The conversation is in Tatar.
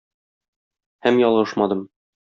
Һәм ялгышмадым.